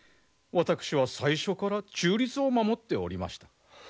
私は最初から中立を守っておりました。